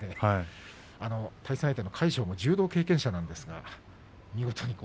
対戦相手の魁勝も柔道経験者なんですけれどね。